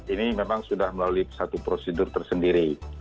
ini memang sudah melalui satu prosedur tersendiri